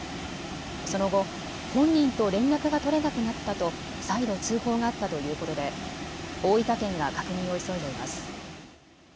その後、本人と連絡が取れなくなったと再度、通報があったということで大分県が確認を急いでいます。